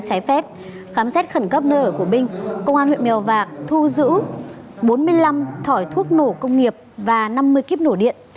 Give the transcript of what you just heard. trái phép khám xét khẩn cấp nơi ở của minh công an huyện mèo vạc thu giữ bốn mươi năm thỏi thuốc nổ công nghiệp và năm mươi kíp nổ điện